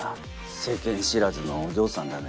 世間知らずのお嬢さんだね。